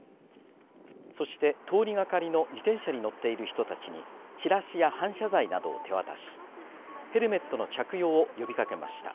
そして通りがかりの自転車に乗っている人たちにチラシや反射材などを手渡しヘルメットの着用を呼びかけました。